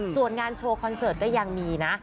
ส่วนงานโชว์คอนเสิร์ตก็ยังมีนะ